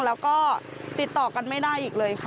แล้วก็ติดต่อกันไม่ได้อีกเลยค่ะ